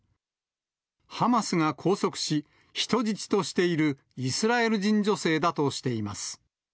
ハマスが拘束し、人質としているイスラエル人女性だとしています。